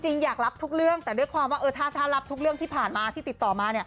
จริงอยากรับทุกเรื่องแต่ถ้ารับทุกเรื่องที่ผ่านมาที่ติดต่อมา